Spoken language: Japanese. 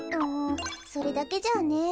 うんそれだけじゃあね。